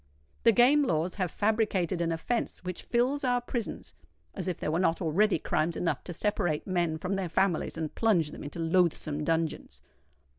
The Game Laws have fabricated an offence which fills our prisons—as if there were not already crimes enough to separate men from their families and plunge them into loathsome dungeons.